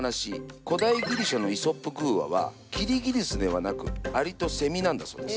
古代ギリシャの「イソップ寓話」はキリギリスではなく「アリとセミ」なんだそうです。